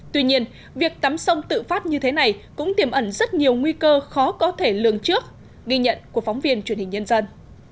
tuy nhiên việc tắm sông tự phát như thế này cũng tiềm ẩn rất nhiều nguy cơ khó có thể lường trước ghi nhận của phóng viên truyền hình nhân dân